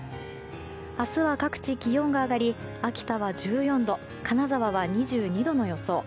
明日は各地、気温が上がり秋田は１４度金沢は２２度の予想。